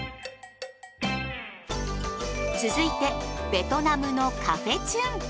続いてベトナムのカフェチュン。